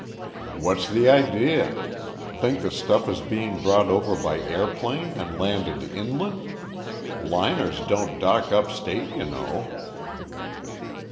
"What's the idea? Think the stuff is being brought over by airplane and landed inland? Liners don't dock upstate, you know."